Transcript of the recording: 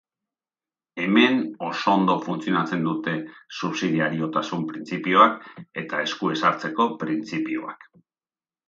Hemen oso ondo funtzionatzen dute subsidiariotasun printzipioak eta esku ez hartzeko printzipioak.